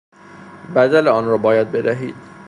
بدل آنرا باید بدهید